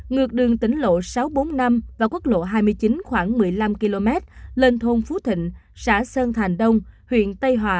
ngược đường tỉnh lộ sáu trăm bốn mươi năm và quốc lộ hai mươi chín khoảng một mươi năm km lên thôn phú thịnh xã sơn thành đông huyện tây hòa